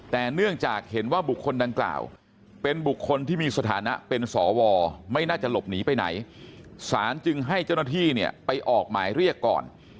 ศาลจึงให้เจ้าหน้าที่ไปออกหมายเรียกก่อน